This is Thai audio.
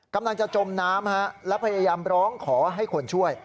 กำลังจะจมน้ำแล้วพยายามร้องขอให้คนช่วย